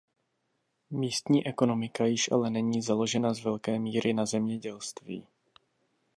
Místní ekonomika již ale není založena z velké míry na zemědělství.